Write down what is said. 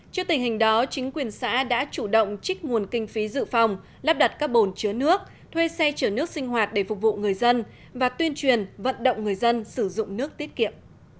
trước tình hình đó chính quyền xã đã chủ động trích nguồn kinh phí dự phòng lắp đặt các bồn chứa nước thuê xe chở nước sinh hoạt để phục vụ người dân và tuyên truyền vận động người dân sử dụng nước tiết kiệm